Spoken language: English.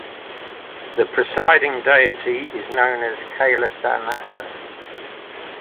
The presiding deity is known as Kailasanathar.